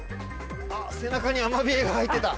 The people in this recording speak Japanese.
あっ背中にアマビエが入ってた。